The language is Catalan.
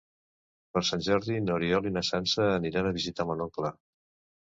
Per Sant Jordi n'Oriol i na Sança aniran a visitar mon oncle.